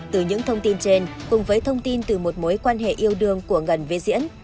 từ những thông tin trên cùng với thông tin từ một mối quan hệ yêu đương của ngân với diễn